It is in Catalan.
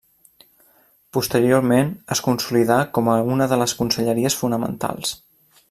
Posteriorment es consolidà com a una de les conselleries fonamentals.